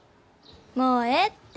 もうええって。